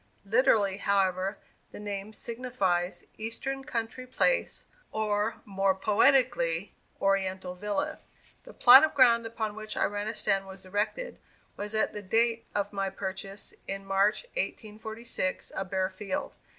Literally, however, the name signifies, "Eastern Country Place," or, more poetically, "Oriental Villa." The plot of ground upon which Iranistan was erected, was at the date of my purchase, in March 1846, a bare field.